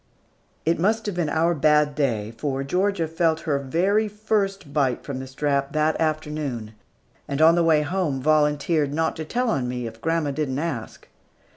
It must have been our bad day, for Georgia felt her very first bite from the strap that afternoon, and on the way home volunteered not to tell on me, if grandma did not ask.